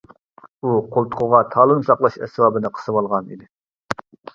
ئۇ قولتۇقىغا تالون ساقلاش ئەسۋابىنى قىسىۋالغان ئىدى.